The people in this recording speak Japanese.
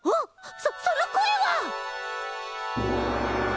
そそのこえは！？